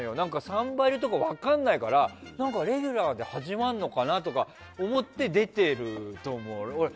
「サンバリュ」とか分からないからレギュラーで始まるのかなとか思って出てると思う。